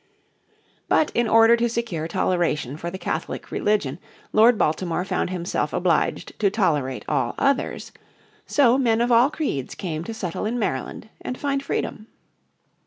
But in order to secure toleration for the Catholic religion Lord Baltimore found himself obliged to tolerate all others. So men of all creeds came to settle in Maryland and find freedom.